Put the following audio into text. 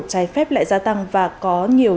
trái phép lại gia tăng và có nhiều